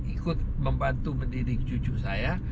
ikut membantu mendidik cucu saya